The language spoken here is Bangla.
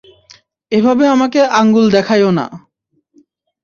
এভাবে আমাকে আঙুল দেখাইও না।